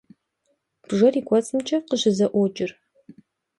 Бжэр и кӏуэцӏымкӏэ къыщызэӏуокӏыр.